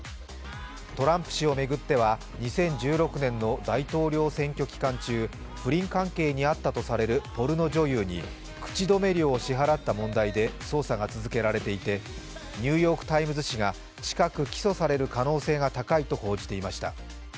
トランプ氏を巡っては、２０１６年の大統領選挙期間中、不倫関係にあったとされるポルノ女優に口止め料を支払った問題で捜査が続けられていて「ニューヨーク・タイムズ」紙が近く起訴される可能性が高いと報じていました。